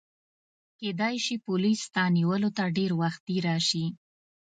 کیدای شي پولیس ستا نیولو ته ډېر وختي راشي.